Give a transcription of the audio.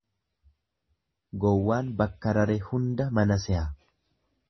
Gowwaan bakka rare hunda mana seha.